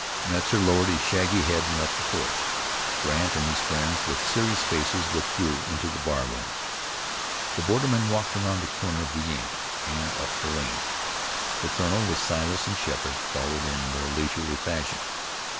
Metzar lowered his shaggy head and left the porch. Brandt and his friends, with serious faces, withdrew into the bar room. The borderman walked around the corner of the inn, and up the lane. The colonel, with Silas and Sheppard, followed in more leisurely fashion.